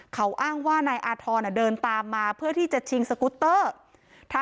เขาอ้างว่านายอาธรณ์เดินตามมาเพื่อที่จะชิงสกุตเตอร์